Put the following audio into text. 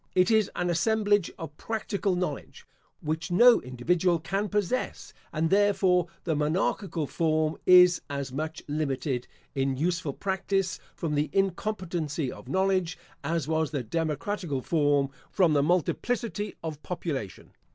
It is an assemblage of practical knowledge, which no individual can possess; and therefore the monarchical form is as much limited, in useful practice, from the incompetency of knowledge, as was the democratical form, from the multiplicity of population.